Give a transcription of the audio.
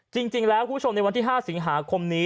จริงแล้วคุณผู้ชมในวันที่๕สิงหาคมนี้